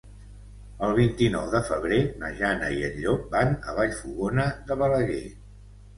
El vint-i-nou de febrer na Jana i en Llop van a Vallfogona de Balaguer.